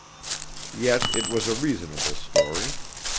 Yet it was a reasonable story.